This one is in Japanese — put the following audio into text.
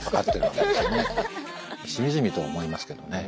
しみじみと思いますけどね。